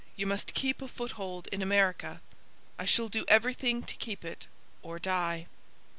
'You must keep a foothold in America.' 'I shall do everything to keep it, or die.'